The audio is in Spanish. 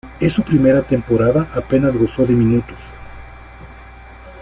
En su primera temporada apenas gozó de minutos.